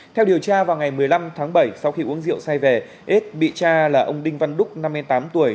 theo điều tra vào ngày một mươi năm tháng bảy sau khi uống rượu say về ết bị cha là ông đinh văn đúc năm mươi tám tuổi